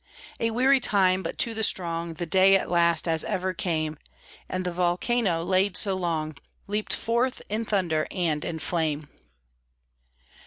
A weary time, but to the strong The day at last, as ever, came; And the volcano, laid so long, Leaped forth in thunder and in flame!